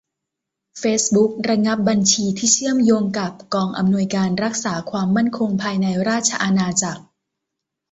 เฟซบุ๊กระงับบัญชีที่เชื่อมโยงกับ กองอำนวยการรักษาความมั่นคงภายในราชอาณาจักร